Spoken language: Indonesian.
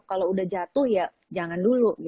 kalau udah jatuh ya jangan dulu